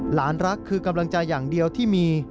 รักคือกำลังใจอย่างเดียวที่มี